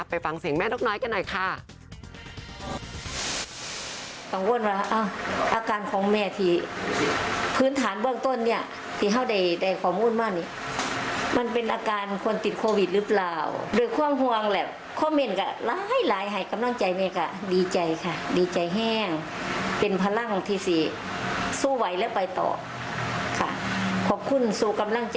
ไปฟังเสียงแม่นกน้อยกันหน่อยค่ะ